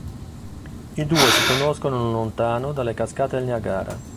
I due si conoscono non lontano dalle cascate del Niagara.